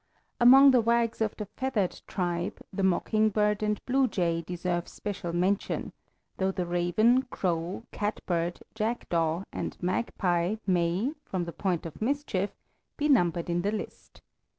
Among the wags of the feathered tribe the mockingbird and blue jay deserve special mention, though the raven, crow, catbird, jackdaw, and magpie may, from the point of mischief, be numbered in the list.